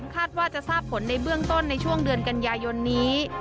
คาดว่าจะทราบผลในเบื้องต้นในช่วงเดือนกันยายนนี้